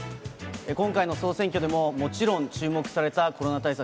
今回の総選挙でももちろん、注目されたコロナ対策。